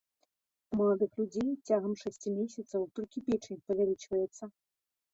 У маладых людзей цягам шасці месяцаў толькі печань павялічваецца.